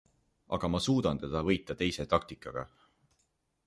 Aga ma suudan teda võita teise taktikaga.